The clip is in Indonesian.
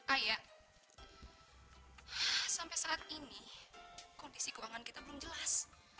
ayah sampai saat ini kondisi keuangan kita belum jelas